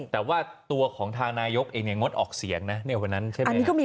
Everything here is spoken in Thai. แต่ว่าตัวของทางนายกเองยังงดออกเสียงนะเหมือนนั้นใช่ไหม